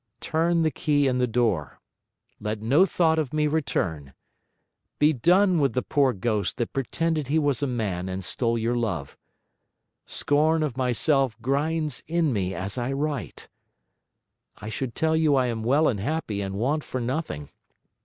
Turn the key in the door; let no thought of me return; be done with the poor ghost that pretended he was a man and stole your love. Scorn of myself grinds in me as I write. I should tell you I am well and happy, and want for nothing.